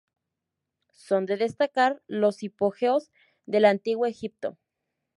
Son de destacar los hipogeos del Antiguo Egipto.